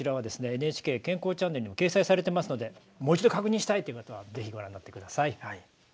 「ＮＨＫ健康チャンネル」にも掲載されてますのでもう一度確認したいっていう方はぜひご覧になってください。